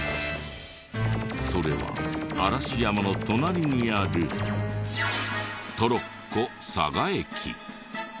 それは嵐山の隣にあるトロッコ嵯峨駅。